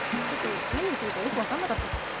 ちょっと何言ってるかよく分かんなかったし。